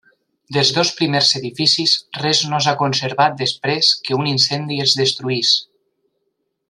Dels dos primers edificis res no s'ha conservat després que un incendi els destruís.